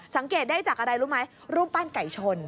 สังเกตได้จากอะไรรู้ไหมรูปปั้นไก่ชน